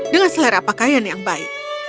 dengan selera pakaian yang baik